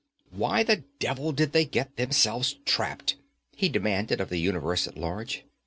'Why the devil did they get themselves trapped?' he demanded of the universe at large.